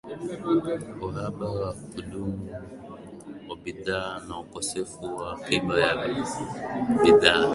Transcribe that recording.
uhaba wa kudumu wa bidhaa na ukosefu wa akiba ya bidhaa